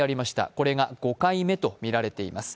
これが５回目とみられています。